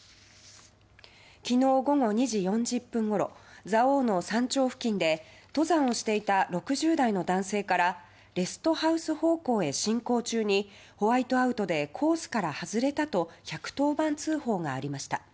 昨日午後２時４０分ごろ蔵王の山頂付近で登山をしていた６０代の男性からレストハウス方向へ進行中にホワイトアウトでコースから外れたと１１０番通報がありました。